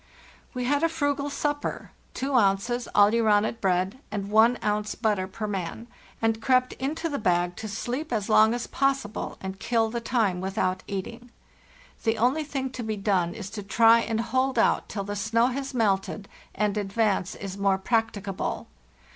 "We had a frugal supper—2 ounces aleuronate bread and 1 ounce butter per man—and crept into the bag to sleep as long as possible and kill the time without eating. The only thing to be done is to try and hold out till the snow has melted and advance is more practicable.